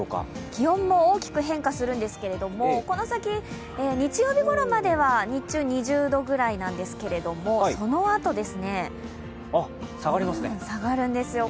気温も大きく変化するんですけれども、この先、日曜日ごろまでは日中、２０度ぐらいなんですけれどもそのあと下がるんですよ。